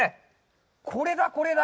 これだ、これだ。